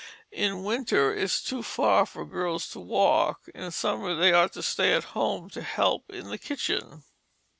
"In winter it's too far for girls to walk; in summer they ought to stay at home to help in the kitchen."